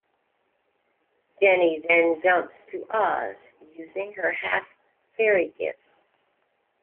Jenny then jumps to Oz using her half-fairy gifts.